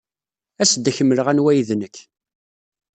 As-d ad ak-mleɣ anwa ay d nekk.